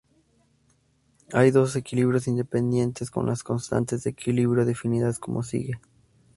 Hay dos equilibrios independientes, con las constantes de equilibrio definidas como sigue.